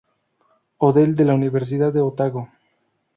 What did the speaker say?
Odell de la Universidad de Otago.